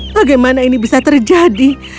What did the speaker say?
bagaimana ini bisa terjadi